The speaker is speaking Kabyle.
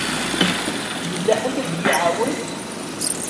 Yella ḥedd ad y-iεawen?